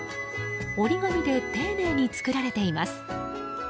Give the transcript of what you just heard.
折り紙で丁寧に作られています。